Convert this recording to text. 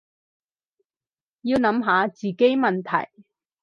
要諗下自己問題